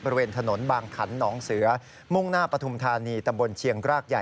บริเวณถนนบางขันหนองเสือมุ่งหน้าปฐุมธานีตำบลเชียงกรากใหญ่